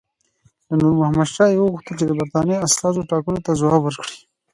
له نور محمد شاه یې وغوښتل چې د برټانیې استازو ټاکلو ته ځواب ورکړي.